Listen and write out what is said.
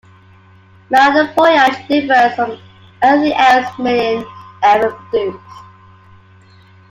"Men on a Voyage" differs from anything else Millin ever produced.